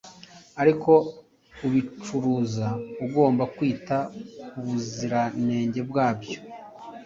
ariko ubicuruza agomba kwita ku buziranenge bwabyo.